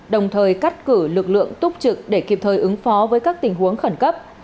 đồng thời cắt cử lực lượng túc trực để kịp thời ứng phó với các tình huống khẩn cấp